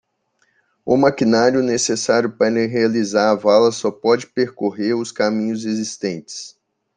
O maquinário necessário para realizar a vala só pode percorrer os caminhos existentes.